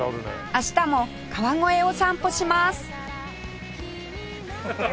明日も川越を散歩します